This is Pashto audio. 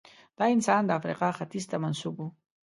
دا انسان د افریقا ختیځ ته منسوب و.